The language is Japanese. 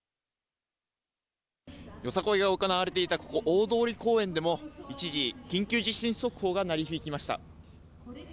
ヨサコイが行われていた、ここ、大通公園でも一時、緊急地震速報が鳴り響きました。